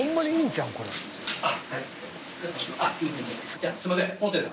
じゃあすいません。